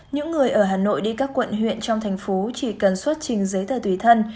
những người ở hà nội đi các quận huyện trong thành phố chỉ cần xuất trình giấy tờ tùy thân